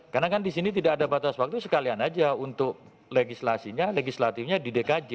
karena kan di sini tidak ada batas waktu sekalian saja untuk legislasinya legislatifnya di dkj